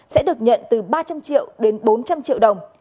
sẽ được nhận từ ba trăm linh triệu đến bốn trăm linh triệu đồng